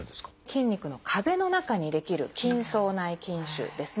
筋肉の壁の中に出来る「筋層内筋腫」ですね。